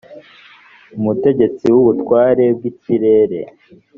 umutegetsi w ubutware bw ikirere